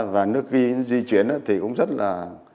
và nước vi di chuyển thì cũng rất là